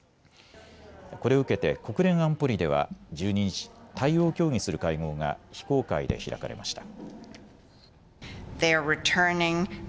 これを受けて国連安保理では１２日、対応を協議する会合が非公開で開かれました。